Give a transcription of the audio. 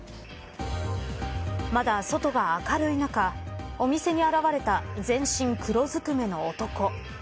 まだ、外が明るい中お店に現れた全身黒ずくめの男。